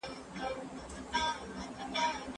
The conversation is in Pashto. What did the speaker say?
ایا کورني سوداګر وچه میوه اخلي؟